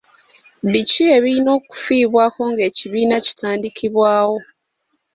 Biki ebirina okifiibwako ng'ekibiina kitandikibwawo?